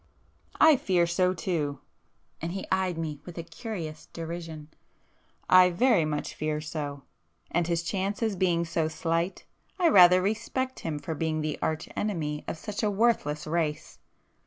"I fear so too!" and he eyed me with a curious derision—"I very much fear so! And his chances being so slight, I rather respect him for being the Arch Enemy of such a worthless race!"